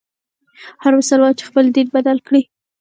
هر مسلمان چي خپل دین بدل کړي.